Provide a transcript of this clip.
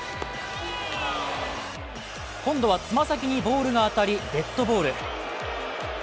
今度は爪先にボールが当たりデッドボール。